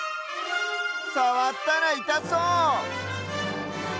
さわったらいたそう！